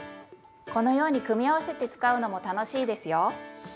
このように組み合わせて使うのも楽しいですよ。